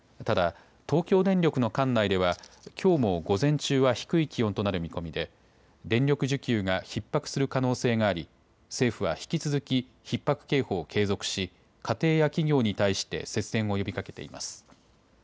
ただ東京電力の管内ではきょうも午前中は低い気温となる見込みで電力需給がひっ迫する可能性があり政府は引き続きひっ迫警報を継続し、家庭や企業に対して節電を呼びかけています。